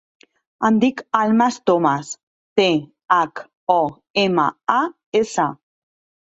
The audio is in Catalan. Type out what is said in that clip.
Em dic Almas Thomas: te, hac, o, ema, a, essa.